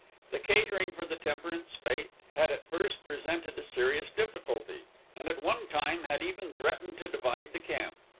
The catering for the Temperance Fête had at first presented a serious difficulty, and at one time had even threatened to divide the camp.